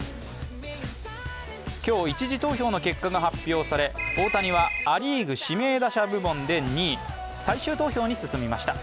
今日、１次投票の結果が発表され大谷はア・リーグ指名打者部門で２位、最終投票に進みました。